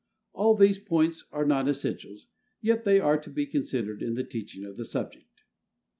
All these points are non essentials, yet they are to be considered in the teaching of the subject.